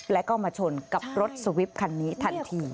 แล้วก็มาชนกับรถสวิปคันนี้ทันที